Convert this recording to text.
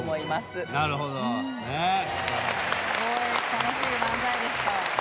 楽しい漫才でした。